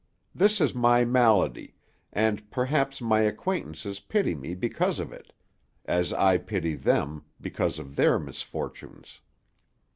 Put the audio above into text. This is my malady, and perhaps my acquaintances pity me because of it, as I pity them because of their misfortunes.